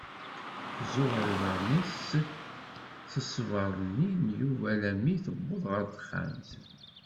Teẓuɣer iḍaren-is s sber-nni n Yub alammi i tewweḍ ɣer texxamt.